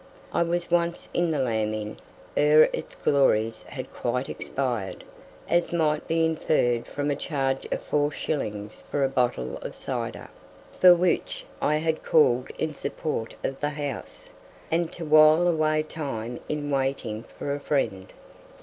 I was once in the Lamb Inn ere its glories had quite expired, as might be inferred from a charge of 4 shillings for a bottle of cider, for which I had called in support of the house, and to while away time in waiting for a friend.